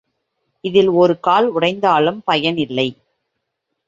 இதில் ஒருகால் உடைந்தாலும் பயன் இல்லை.